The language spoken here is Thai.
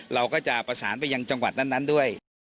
เราก็จะประสานไปยังจังหวัดนั้นด้วย